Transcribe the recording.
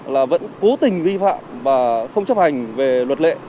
là vẫn cố tình vi phạm và không chấp hành về luật lệ